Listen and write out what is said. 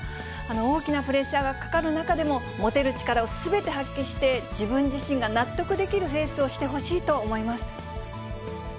大きなプレッシャーがかかる中でも、持てる力をすべて発揮して、自分自身が納得できるレースをしてほしいと思います。